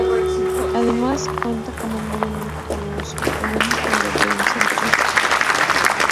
Además cuenta con un valle muy caluroso, el único de la provincia de Chota.